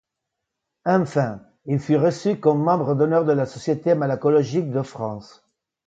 Enfin, il fut reçu comme membre d'honneur de la société malacologique de France.